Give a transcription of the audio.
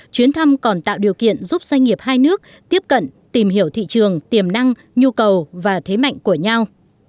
chuyến thăm còn tạo điều kiện giúp doanh nghiệp hai nước tiếp cận tìm hiểu thị trường tiềm năng nhu cầu và thế mạnh của nhau